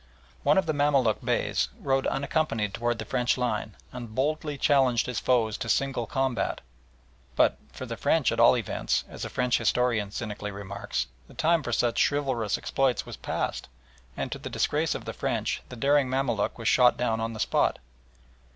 One of the Mamaluk Beys rode unaccompanied towards the French line, and boldly challenged his foes to single combat; but, for the French at all events, as a French historian cynically remarks, the time for such chivalrous exploits was past, and to the disgrace of the French the daring Mamaluk was shot down on the spot.